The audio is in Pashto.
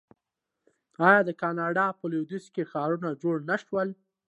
آیا د کاناډا په لویدیځ کې ښارونه جوړ نشول؟